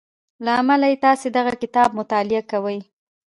له امله یې تاسې دغه کتاب مطالعه کوئ